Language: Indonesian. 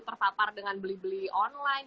terpapar dengan beli beli online